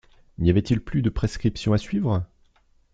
N’y avait-il plus de prescriptions à suivre?...